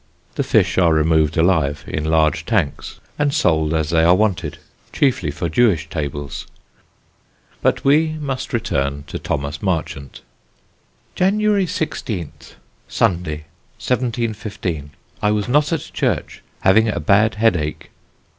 The fish are removed alive, in large tanks, and sold as they are wanted, chiefly for Jewish tables. But we must return to Thomas Marchant: "January 16th (Sunday) 1715. I was not at church having a bad headache.